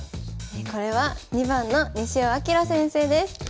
これは２番の西尾明先生です。